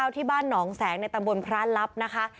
ที่บ้านหนองแสงในตำบลพระลับนะคะ